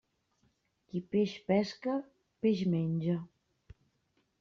Qui peix pesca, peix menja.